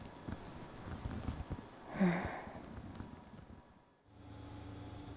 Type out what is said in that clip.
うん。